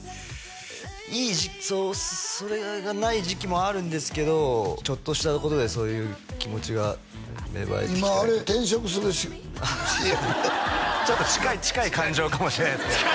いい時期それがない時期もあるんですけどちょっとしたことでそういう気持ちが芽生えてきて今転職するＣＭちょっと近い感情かもしれないですね